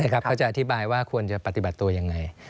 เขาจะอธิบายว่าควรจะปฏิบัติตัวยังไง